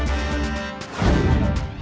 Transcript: kek kek kek